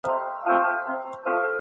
ایا واړه پلورونکي کاغذي بادام اخلي؟